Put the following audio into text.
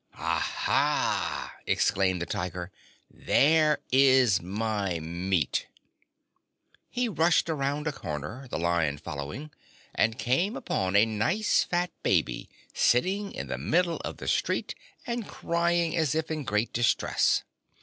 "Aha!" exclaimed the Tiger. "There is my meat." He rushed around a corner, the Lion following, and came upon a nice fat baby sitting in the middle of the street and crying as if in great distress.